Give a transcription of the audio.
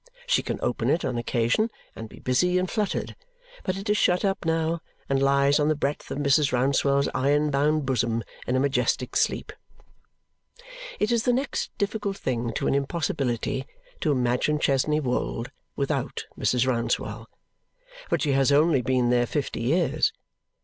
She can open it on occasion and be busy and fluttered, but it is shut up now and lies on the breadth of Mrs. Rouncewell's iron bound bosom in a majestic sleep. It is the next difficult thing to an impossibility to imagine Chesney Wold without Mrs. Rouncewell, but she has only been here fifty years.